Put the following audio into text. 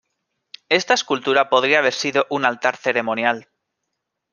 Esta escultura podría haber sido un altar ceremonial.